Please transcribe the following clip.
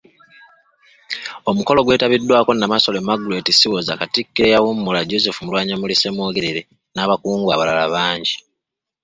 Omukolo gwetabiddwako Namasole Margaret Siwoza, Katikkiro eyawummula Joseph Mulwannyammuli Ssemwogerere, n'abakungu abalala bangi.